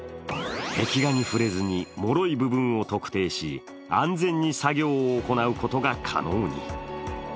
壁画に触れずにもろい部分を特定し安全に作業を行うことが可能に。